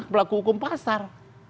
berlaku hukum pasar